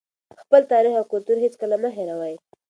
خپل تاریخ او کلتور هېڅکله مه هېروئ.